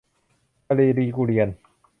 ทะเลลีกูเรียน